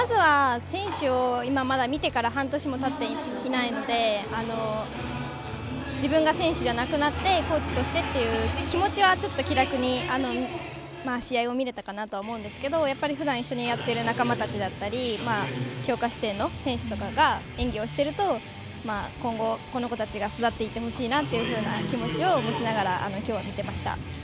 まずは半年もたっていないので自分が選手じゃなくなってコーチとしてという気持ちは、気楽に試合を見れたかなって思うんですけどやっぱりふだん一緒にやっている仲間だったり強化指定の選手とかが演技をしてると今後、この子たちが育っていってほしいなっていう気持ちを持ちながらきょうは見ていました。